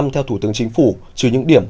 theo thủ tướng chính phủ trừ những điểm